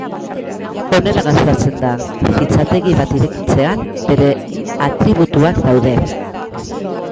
Honela gauzatzen da: fitxategi bat irekitzean, bere atributuak daude.